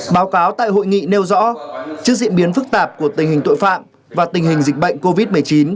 báo cáo tại hội nghị nêu rõ trước diễn biến phức tạp của tình hình tội phạm và tình hình dịch bệnh covid một mươi chín